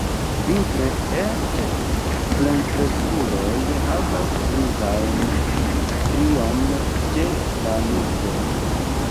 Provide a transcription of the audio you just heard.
Vintre eĉ plenkreskuloj havas grizajn strion ĉe la nuko.